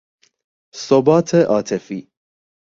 ثبات عاطفی